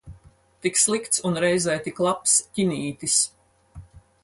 Tik slikts un reizē tik labs ķinītis.